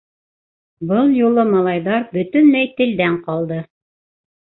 Был юлы малайҙар бөтөнләй телдән ҡалды.